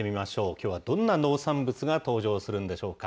きょうはどんな農産物が登場するんでしょうか。